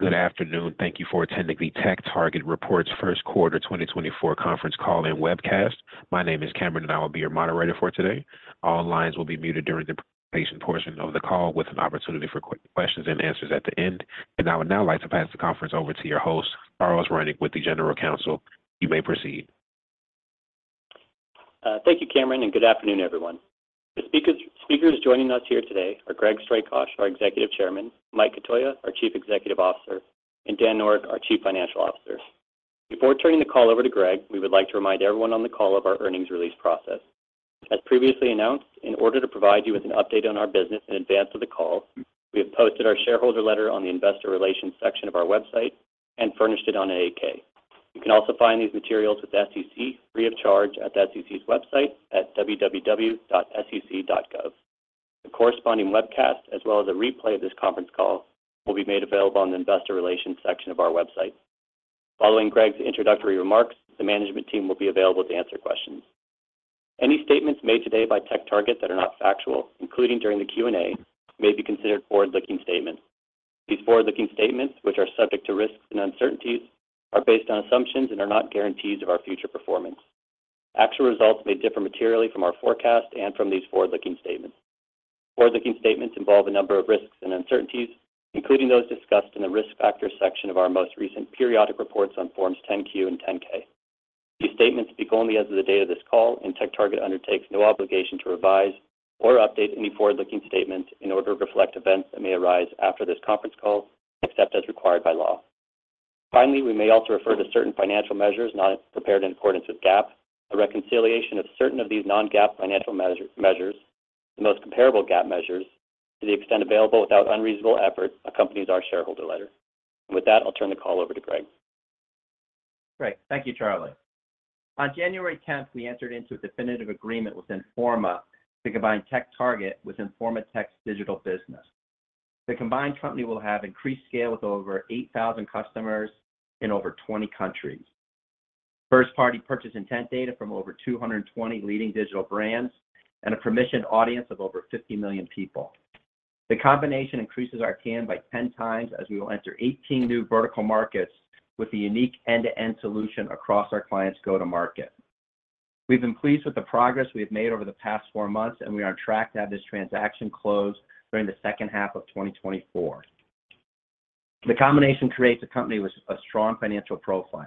Good afternoon. Thank you for attending the TechTarget's first quarter 2024 conference call and webcast. My name is Cameron, and I will be your moderator for today. All lines will be muted during the presentation portion of the call with an opportunity for quick questions and answers at the end. I would now like to pass the conference over to your host, Charles Rennick, General Counsel. You may proceed. Thank you, Cameron, and good afternoon, everyone. The speakers joining us here today are Greg Strakosch, our Executive Chairman, Mike Cotoia, our Chief Executive Officer, and Dan Noreck, our Chief Financial Officer. Before turning the call over to Greg, we would like to remind everyone on the call of our earnings release process. As previously announced, in order to provide you with an update on our business in advance of the call, we have posted our shareholder letter on the Investor Relations section of our website and furnished it on 8-K. You can also find these materials with SEC free of charge at the SEC's website at www.sec.gov. The corresponding webcast, as well as a replay of this conference call, will be made available on the investor relations section of our website. Following Greg's introductory remarks, the management team will be available to answer questions. Any statements made today by TechTarget that are not factual, including during the Q&A, may be considered forward-looking statements. These forward-looking statements, which are subject to risks and uncertainties, are based on assumptions and are not guarantees of our future performance. Actual results may differ materially from our forecast and from these forward-looking statements. Forward-looking statements involve a number of risks and uncertainties, including those discussed in the risk factors section of our most recent periodic reports on Forms 10-Q and 10-K. These statements speak only as of the date of this call, and TechTarget undertakes no obligation to revise or update any forward-looking statements in order to reflect events that may arise after this conference call, except as required by law. Finally, we may also refer to certain financial measures not prepared in accordance with GAAP. A reconciliation of certain of these non-GAAP financial measures, the most comparable GAAP measures, to the extent available without unreasonable effort, accompanies our shareholder letter. With that, I'll turn the call over to Greg. Great. Thank you, Charlie. On January 10th, we entered into a definitive agreement with Informa to combine TechTarget with Informa Tech's digital business. The combined company will have increased scale with over 8,000 customers in over 20 countries. First-party purchase intent data from over 220 leading digital brands and a permissioned audience of over 50 million people. The combination increases our TAM by 10 times as we will enter 18 new vertical markets with a unique end-to-end solution across our clients' go-to-market. We've been pleased with the progress we have made over the past four months, and we are on track to have this transaction closed during the second half of 2024. The combination creates a company with a strong financial profile.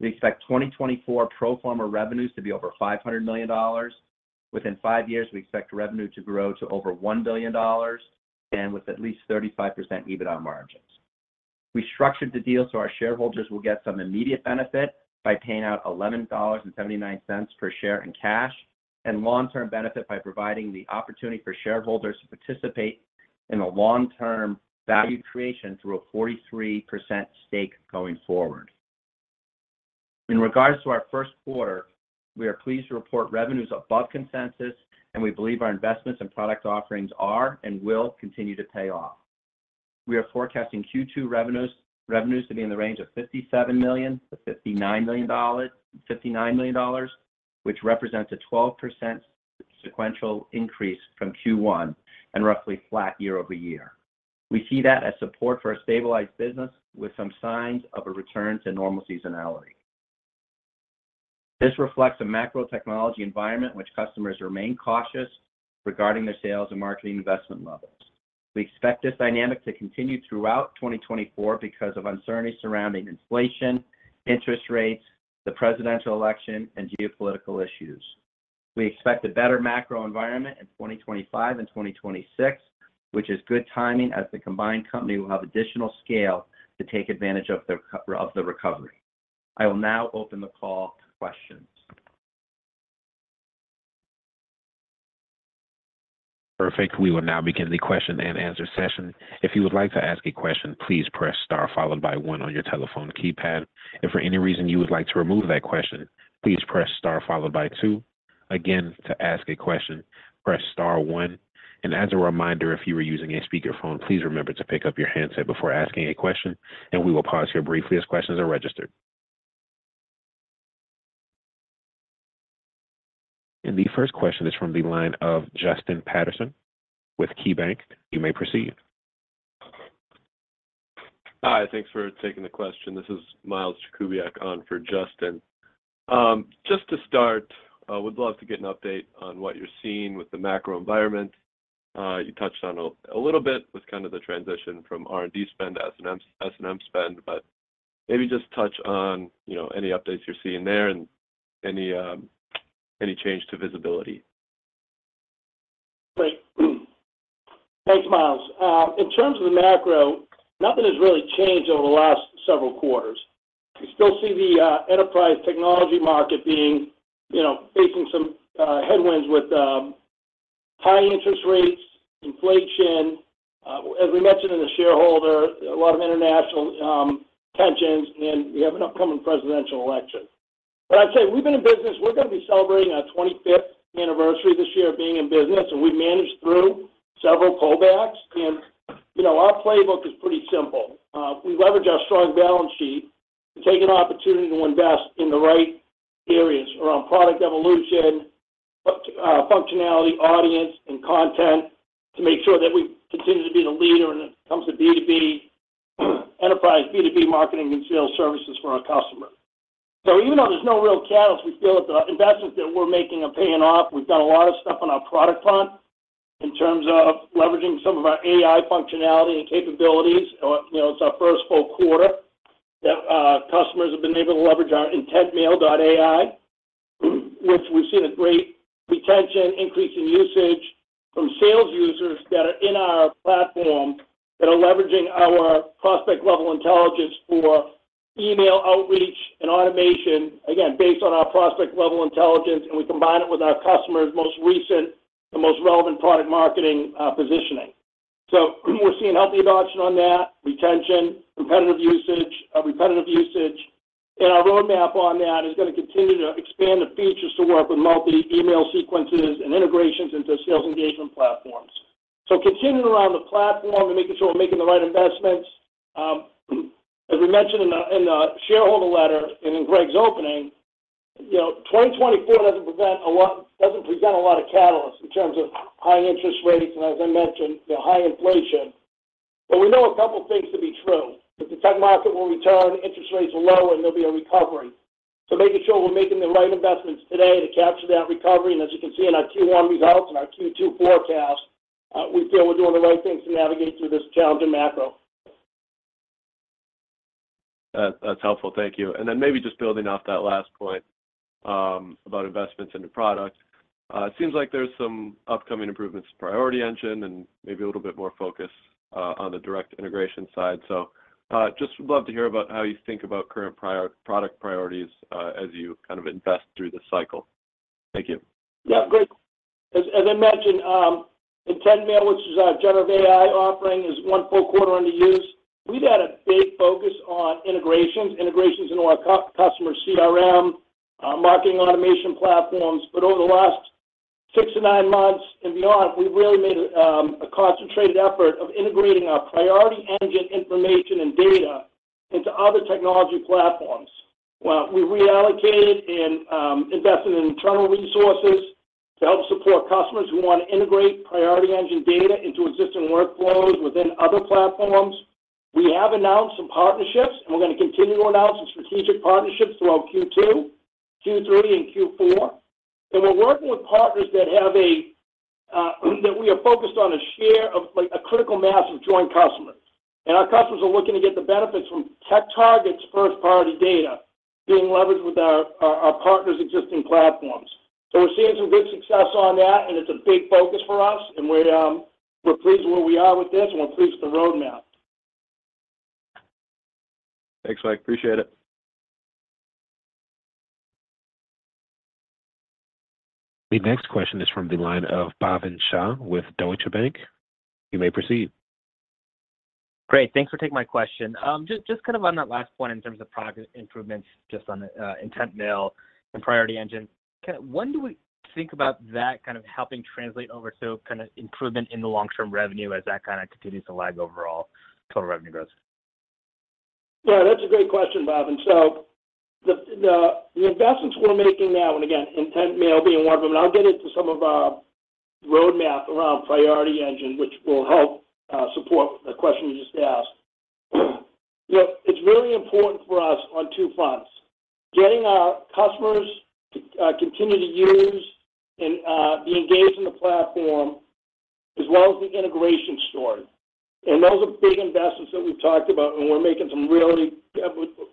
We expect 2024 pro forma revenues to be over $500 million. Within five years, we expect revenue to grow to over $1 billion, and with at least 35% EBITDA margins. We structured the deal so our shareholders will get some immediate benefit by paying out $11.79 per share in cash, and long-term benefit by providing the opportunity for shareholders to participate in a long-term value creation through a 43% stake going forward. In regards to our first quarter, we are pleased to report revenues above consensus, and we believe our investments and product offerings are and will continue to pay off. We are forecasting Q2 revenues, revenues to be in the range of $57 million-$59 million, $59 million, which represents a 12% sequential increase from Q1 and roughly flat year-over-year. We see that as support for a stabilized business with some signs of a return to normal seasonality. This reflects a macro technology environment in which customers remain cautious regarding their sales and marketing investment levels. We expect this dynamic to continue throughout 2024 because of uncertainty surrounding inflation, interest rates, the presidential election, and geopolitical issues. We expect a better macro environment in 2025 and 2026, which is good timing, as the combined company will have additional scale to take advantage of the recovery. I will now open the call to questions. Perfect. We will now begin the question-and-answer session. If you would like to ask a question, please press star followed by one on your telephone keypad. If for any reason you would like to remove that question, please press star followed by two. Again, to ask a question, press star one. And as a reminder, if you are using a speakerphone, please remember to pick up your handset before asking a question, and we will pause here briefly as questions are registered. And the first question is from the line of Justin Patterson with KeyBanc. You may proceed. Hi, thanks for taking the question. This is Miles Jakubiak on for Justin. Just to start, I would love to get an update on what you're seeing with the macro environment. You touched on a little bit with kind of the transition from R&D spend to S&M, S&M spend, but maybe just touch on, you know, any updates you're seeing there and any change to visibility? Great. Thanks, Miles. In terms of the macro, nothing has really changed over the last several quarters. We still see the enterprise technology market being, you know, facing some headwinds with high interest rates, inflation, as we mentioned in the shareholder, a lot of international tensions, and we have an upcoming presidential election. But I'd say we've been in business... We're going to be celebrating our 25th anniversary this year of being in business, and we've managed through several pullbacks. You know, our playbook is pretty simple. We leverage our strong balance sheet to take an opportunity to invest in the right around product evolution, but, functionality, audience, and content to make sure that we continue to be the leader when it comes to B2B, enterprise B2B marketing and sales services for our customers. So even though there's no real catalyst, we feel that the investments that we're making are paying off. We've done a lot of stuff on our product front in terms of leveraging some of our AI functionality and capabilities. You know, it's our first full quarter that, customers have been able to leverage our IntentMail.AI, which we've seen a great retention, increase in usage from sales users that are in our platform, that are leveraging our prospect-level intelligence for email outreach and automation, again, based on our prospect-level intelligence, and we combine it with our customer's most recent and most relevant product marketing, positioning. So we're seeing healthy adoption on that, retention, competitive usage, repetitive usage, and our roadmap on that is gonna continue to expand the features to work with multi-email sequences and integrations into sales engagement platforms. Continuing around the platform and making sure we're making the right investments, as we mentioned in the shareholder letter and in Greg's opening, you know, 2024 doesn't present a lot, doesn't present a lot of catalysts in terms of high interest rates, and as I mentioned, the high inflation. But we know a couple of things to be true, that the tech market will return, interest rates are low, and there'll be a recovery. So making sure we're making the right investments today to capture that recovery, and as you can see in our Q1 results and our Q2 forecast, we feel we're doing the right things to navigate through this challenging macro. That, that's helpful. Thank you. And then maybe just building off that last point, about investments into products. It seems like there's some upcoming improvements to Priority Engine and maybe a little bit more focus on the direct integration side. So, just would love to hear about how you think about current product priorities, as you kind of invest through this cycle. Thank you. Yeah, great. As I mentioned, IntentMail, which is our generative AI offering, is one full quarter in use. We've had a big focus on integrations into our customer CRM, marketing automation platforms. But over the last six to nine months and beyond, we've really made a concentrated effort of integrating our Priority Engine information and data into other technology platforms. Well, we reallocated and invested in internal resources to help support customers who want to integrate Priority Engine data into existing workflows within other platforms. We have announced some partnerships, and we're going to continue to announce some strategic partnerships throughout Q2, Q3, and Q4. And we're working with partners that we are focused on a share of, like, a critical mass of joint customers. Our customers are looking to get the benefits from TechTarget's first-party data being leveraged with our partner's existing platforms. We're seeing some good success on that, and it's a big focus for us, and we, we're pleased where we are with this, and we're pleased with the roadmap. Thanks, Mike. Appreciate it. The next question is from the line of Bhavin Shah with Deutsche Bank. You may proceed. Great. Thanks for taking my question. Just, just kind of on that last point in terms of product improvements, just on the, IntentMail and Priority Engine, when do we think about that kind of helping translate over to kind of improvement in the long-term revenue as that kind of continues to lag overall total revenue growth? Yeah, that's a great question, Bhavin. So the investments we're making now, and again, IntentMail being one of them, and I'll get into some of our roadmap around Priority Engine, which will help support the question you just asked. Look, it's really important for us on two fronts: getting our customers to continue to use and be engaged in the platform, as well as the integration story. And those are big investments that we've talked about, and we're making some really,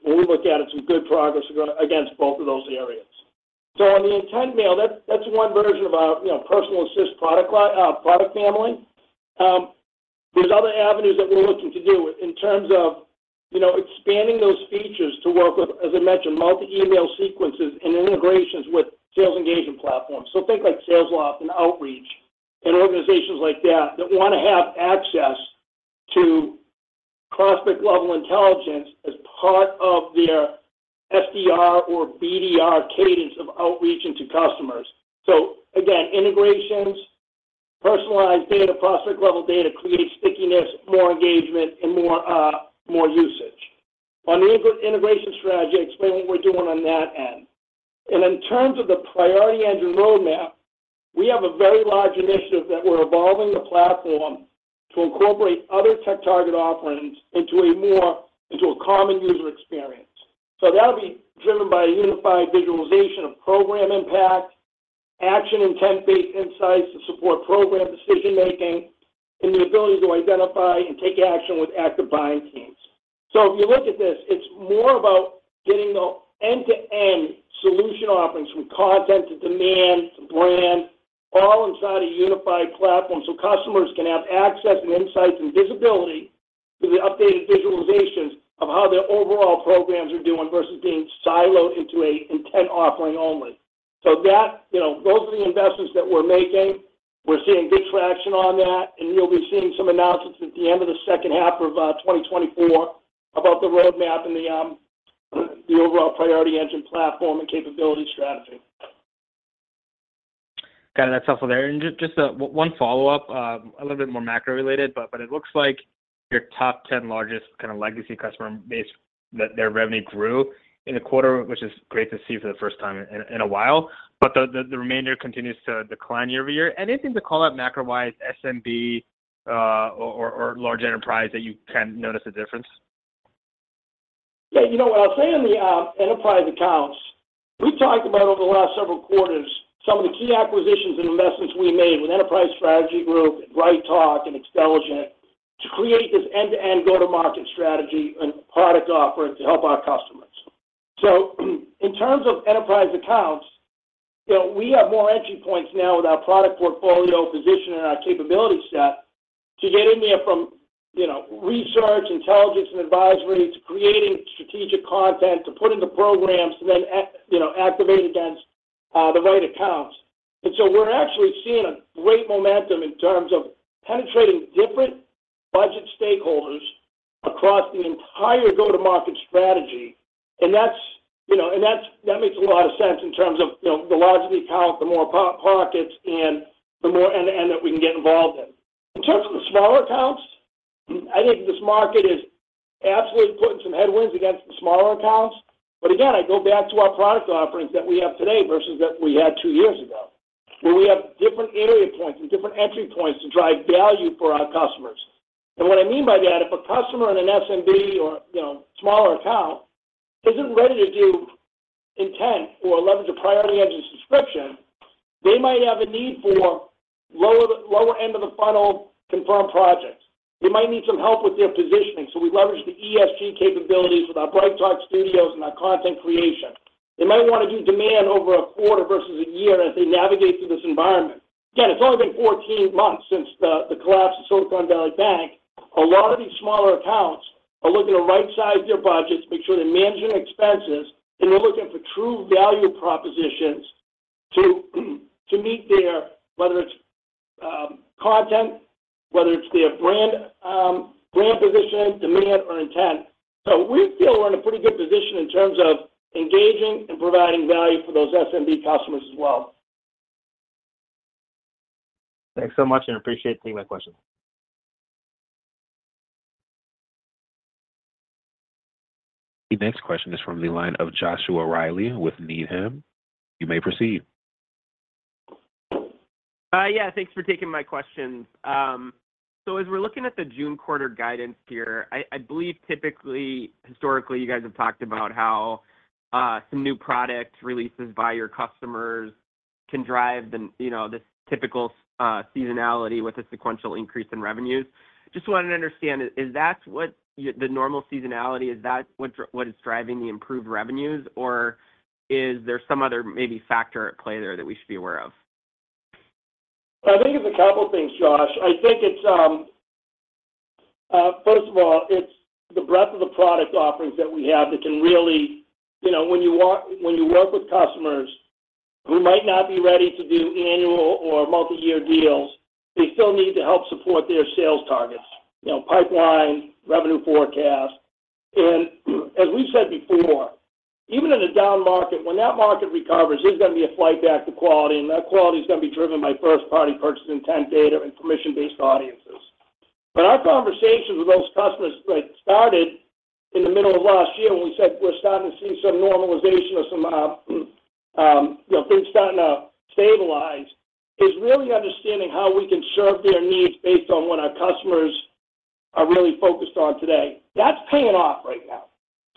when we look at it, some good progress against both of those areas. So on the IntentMail, that's one version of our, you know, personal assist product line, product family. There's other avenues that we're looking to do in terms of, you know, expanding those features to work with, as I mentioned, multi-email sequences and integrations with sales engagement platforms. So think like Salesloft and Outreach and organizations like that, that wanna have access to prospect-level intelligence as part of their SDR or BDR cadence of outreach into customers. So again, integrations, personalized data, prospect-level data creates stickiness, more engagement, and more, more usage. On the integration strategy, I explained what we're doing on that end. And in terms of the Priority Engine roadmap, we have a very large initiative that we're evolving the platform to incorporate other TechTarget offerings into a more, into a common user experience. So that'll be driven by a unified visualization of program impact, action intent-based insights to support program decision-making, and the ability to identify and take action with active buying teams. So if you look at this, it's more about getting the end-to-end solution offerings from content to demand, to brand, all inside a unified platform, so customers can have access and insights and visibility to the updated visualizations of how their overall programs are doing versus being siloed into an intent offering only. So that, you know, those are the investments that we're making. We're seeing good traction on that, and you'll be seeing some announcements at the end of the second half of 2024 about the roadmap and the overall Priority Engine platform and capability strategy. Got it. That's helpful there. And just one follow-up, a little bit more macro-related, but it looks like your top 10 largest kind of legacy customer base, that their revenue grew in the quarter, which is great to see for the first time in a while, but the remainder continues to decline year-over-year. Anything to call out macro-wise, SMB, or large enterprise that you can notice a difference? Yeah, you know what? I'll say on the enterprise accounts, we talked about over the last several quarters, some of the key acquisitions and investments we made with Enterprise Strategy Group, BrightTALK, and Xtelligent to create this end-to-end go-to-market strategy and product offering to help our customers. So in terms of enterprise accounts, you know, we have more entry points now with our product portfolio position and our capability set to get in there from, you know, research, intelligence, and advisory, to creating strategic content, to putting the programs, and then, you know, activate against the right accounts. And so we're actually seeing a great momentum in terms of penetrating different budget stakeholders across the entire go-to-market strategy. And that's, you know, that makes a lot of sense in terms of, you know, the larger the account, the more pockets and the more end-to-end that we can get involved in. In terms of the smaller accounts, I think this market is absolutely putting some headwinds against the smaller accounts. But again, I go back to our product offerings that we have today versus that we had two years ago, where we have different area points and different entry points to drive value for our customers. And what I mean by that, if a customer in an SMB or, you know, smaller account isn't ready to do intent or leverage a Priority Engine subscription, they might have a need for lower end of the funnel confirmed projects. They might need some help with their positioning, so we leverage the ESG capabilities with our BrightTALK Studios and our content creation. They might want to do demand over a quarter versus a year as they navigate through this environment. Again, it's only been 14 months since the collapse of Silicon Valley Bank. A lot of these smaller accounts are looking to rightsize their budgets, make sure they're managing expenses, and they're looking for true value propositions to meet their whether it's content, whether it's their brand, brand position, demand, or intent. So we feel we're in a pretty good position in terms of engaging and providing value for those SMB customers as well. Thanks so much, and appreciate taking my question. The next question is from the line of Joshua Reilly with Needham. You may proceed. Yeah, thanks for taking my question. So as we're looking at the June quarter guidance here, I believe typically, historically, you guys have talked about how some new product releases by your customers can drive the, you know, the typical seasonality with a sequential increase in revenues. Just wanted to understand, is that what you... the normal seasonality, is that what's, what is driving the improved revenues, or is there some other maybe factor at play there that we should be aware of? I think it's a couple things, Josh. I think it's first of all, it's the breadth of the product offerings that we have that can really, you know, when you work, when you work with customers who might not be ready to do annual or multi-year deals, they still need to help support their sales targets, you know, pipeline, revenue forecast. And as we've said before, even in a down market, when that market recovers, there's gonna be a flight back to quality, and that quality is gonna be driven by first-party purchase intent data and permission-based audiences. But our conversations with those customers that started in the middle of last year, when we said we're starting to see some normalization or some, you know, things starting to stabilize, is really understanding how we can serve their needs based on what our customers are really focused on today. That's paying off right now.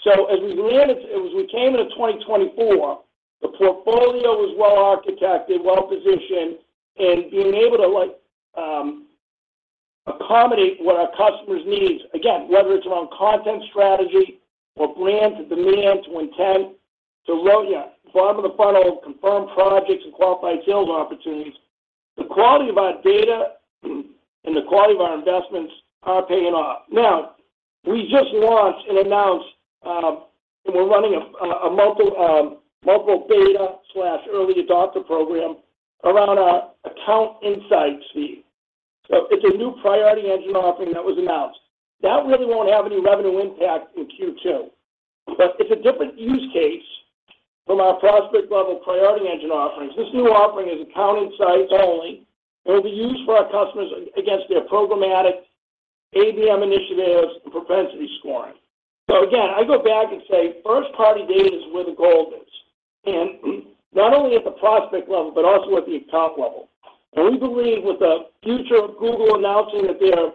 So as we came into 2024, the portfolio was well architected, well-positioned, and being able to, like, accommodate what our customers needs, again, whether it's around content strategy or brand to demand, to intent, to, yeah, bottom of the funnel, confirmed projects and qualified sales opportunities, the quality of our data, and the quality of our investments are paying off. Now, we just launched and announced, and we're running a multiple beta/early adopter program around our Account Insights Feed. So it's a new Priority Engine offering that was announced. That really won't have any revenue impact in Q2, but it's a different use case from our prospect-level Priority Engine offerings. This new offering is Account Insights only. It will be used for our customers against their programmatic ABM initiatives and propensity scoring. So again, I go back and say, first-party data is where the gold is, and, not only at the prospect level, but also at the account level. And we believe with the future of Google announcing that they are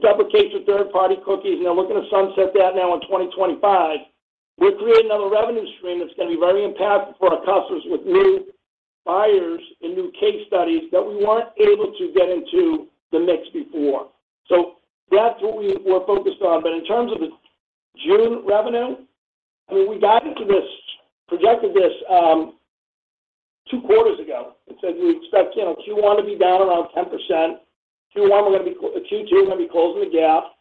deprecating third-party cookies, and they're looking to sunset that now in 2025, we're creating another revenue stream that's gonna be very impactful for our customers with new buyers and new case studies that we weren't able to get into the mix before. So that's what we were focused on. But in terms of the June revenue, I mean, we got into this, projected this, two quarters ago, and said we expect, you know, Q1 to be down around 10%, Q1, we're gonna be... Q2, we're gonna be closing the gap.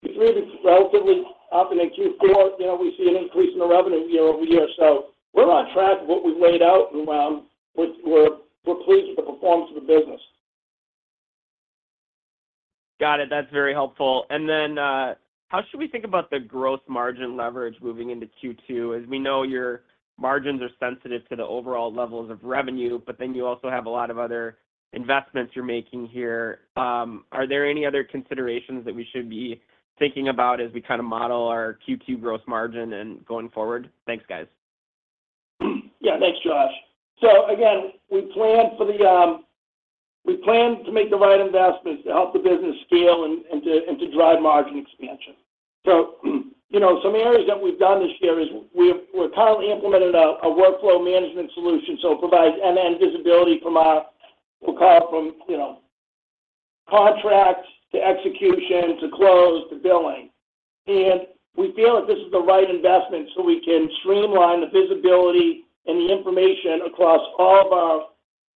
Q3 will be relatively up, and then Q4, you know, we see an increase in the revenue year-over-year. So we're on track of what we've laid out, and, we're pleased with the performance of the business. Got it. That's very helpful. And then, how should we think about the growth margin leverage moving into Q2? As we know, your margins are sensitive to the overall levels of revenue, but then you also have a lot of other investments you're making here. Are there any other considerations that we should be thinking about as we kind of model our Q2 growth margin and going forward? Thanks, guys. Yeah, thanks, Josh. So again, we plan to make the right investments to help the business scale and to drive margin expansion. So, you know, some areas that we've done this year is we're currently implementing a workflow management solution, so it provides end-to-end visibility from our, you know, contracts to execution, to close, to billing. And we feel that this is the right investment so we can streamline the visibility and the information across all of our,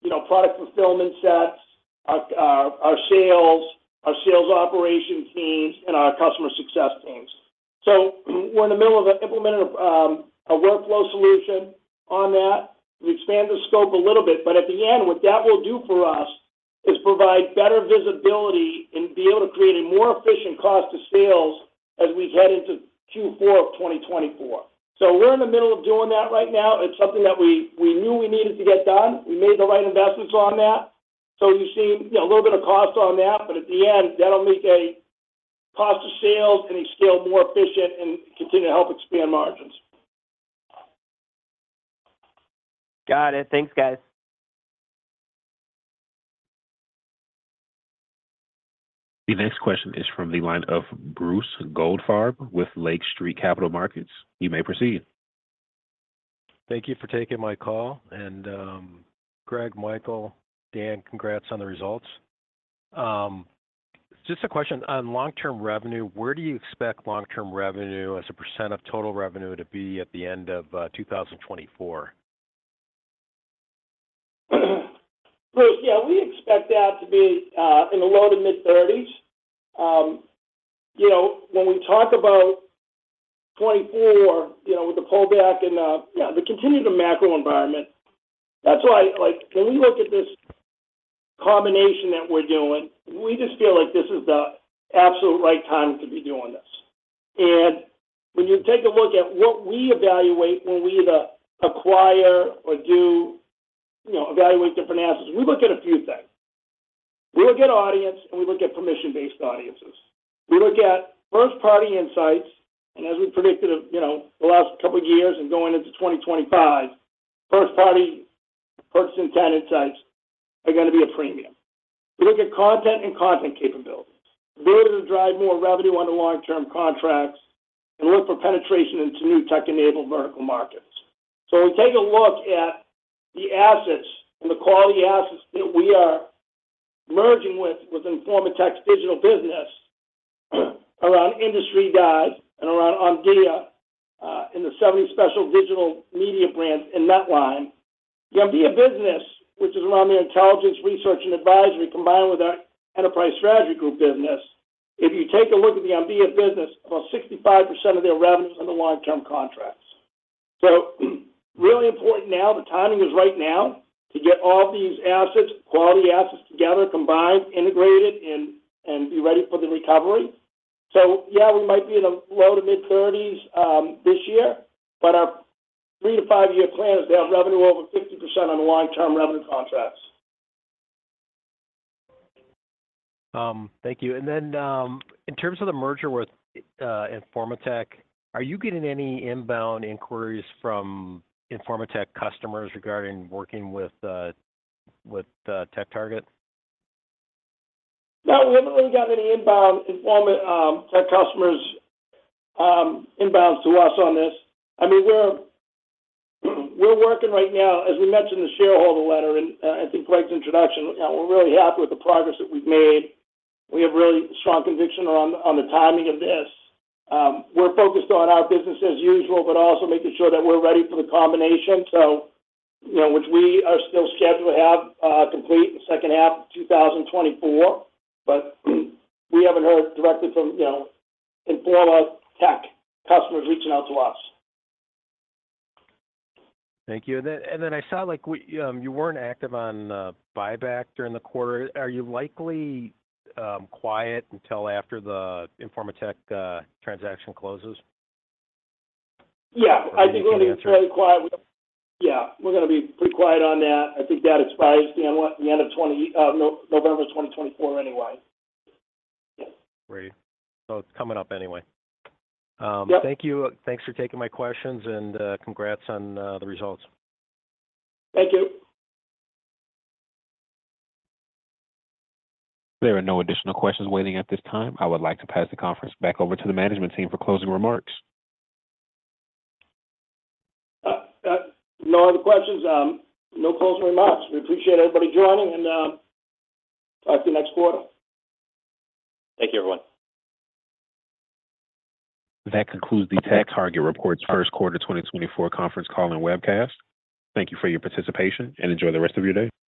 you know, product fulfillment sets, our sales operations teams, and our customer success teams. So we're in the middle of implementing a workflow solution on that. We expanded the scope a little bit, but at the end, what that will do for us is provide better visibility and be able to create a more efficient cost of sales as we head into Q4 of 2024. So we're in the middle of doing that right now. It's something that we, we knew we needed to get done. We made the right investments on that. So you see, you know, a little bit of cost on that, but at the end, that'll make a cost of sales and be still more efficient and continue to help expand margins. Got it. Thanks, guys. The next question is from the line of Bruce Goldfarb with Lake Street Capital Markets. You may proceed. Thank you for taking my call. Greg, Michael, Dan, congrats on the results. Just a question, on long-term revenue, where do you expect long-term revenue as a % of total revenue to be at the end of 2024? Bruce, yeah, we expect that to be in the low-to-mid-30s. You know, when we talk about 2024, you know, with the pullback and the continued macro environment, that's why, like, when we look at this combination that we're doing, we just feel like this is the absolute right time to be doing this. And when you take a look at what we evaluate when we either acquire or do, you know, evaluate different answers, we look at a few things. We look at audience, and we look at permission-based audiences. We look at first-party insights, and as we predicted, you know, the last couple of years and going into 2025, first-party purchase intent insights are gonna be a premium. We look at content and content capabilities. They're gonna drive more revenue on the long-term contracts and look for penetration into new tech-enabled vertical markets. So we take a look at the assets and the quality assets that we are merging with, with Informa Tech's digital business around Industry Dive and around Omdia, and the 70 special digital media brands in that line. The Omdia business, which is around the intelligence, research, and advisory, combined with our Enterprise Strategy Group business, if you take a look at the Omdia business, about 65% of their revenue is on the long-term contracts. So really important now, the timing is right now to get all these assets, quality assets together, combined, integrated, and be ready for the recovery. So yeah, we might be in the low to mid-30s this year, but our three to five-year plan is to have revenue over 50% on long-term revenue contracts. Thank you. And then, in terms of the merger with Informa Tech, are you getting any inbound inquiries from Informa Tech customers regarding working with TechTarget? No, we haven't really got any inbound Informa Tech customers, inbounds to us on this. I mean, we're working right now, as we mentioned in the shareholder letter, and I think Greg's introduction, we're really happy with the progress that we've made. We have really strong conviction on the timing of this. We're focused on our business as usual, but also making sure that we're ready for the combination. So, you know, which we are still scheduled to have complete in the second half of 2024, but we haven't heard directly from, you know, Informa Tech customers reaching out to us. Thank you. And then I saw, like, you weren't active on buyback during the quarter. Are you likely quiet until after the Informa Tech transaction closes? Yeah, I think we're going to be fairly quiet. Yeah, we're gonna be pretty quiet on that. I think that expires the end, the end of November 2024 anyway. Great. So it's coming up anyway. Yep. Thank you. Thanks for taking my questions, and congrats on the results. Thank you. There are no additional questions waiting at this time. I would like to pass the conference back over to the management team for closing remarks. No other questions, no closing remarks. We appreciate everybody joining, and talk to you next quarter. Thank you, everyone. That concludes the TechTarget Report's first quarter 2024 conference call and webcast. Thank you for your participation, and enjoy the rest of your day.